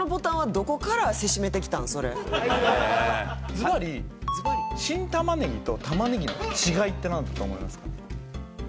ずばり新玉ねぎと玉ねぎの違いって何だと思いますか？